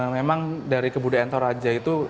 memang dari kebudayaan toraja itu